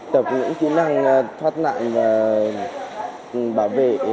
tập những kỹ năng thoát nạn và bảo vệ